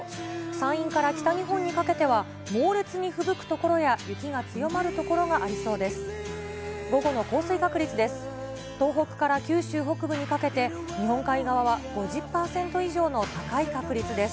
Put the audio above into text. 山陰から北日本にかけては、猛烈にふぶく所や雪が強まる所がありそうです。